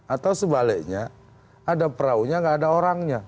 atau sebaliknya ada peraunya nggak ada orangnya